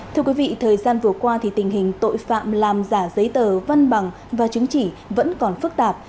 thưa quý vị thời gian vừa qua thì tình hình tội phạm làm giả giấy tờ văn bằng và chứng chỉ vẫn còn phức tạp